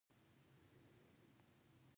او بيا به يې خندل.